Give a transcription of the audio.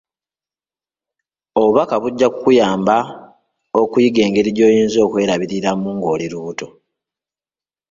Obubaka bujja kukuyamba okuyiga engeri gy'oyinza okwerabiriramu ng'oli lubuto.